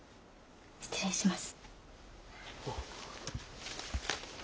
失礼します。